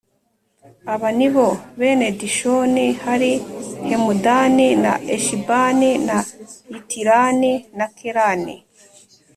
Aba ni bo bene Dishoni hari Hemudani na Eshibani na Yitirani na Kerani